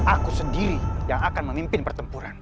aku sendiri yang akan memimpin pertempuran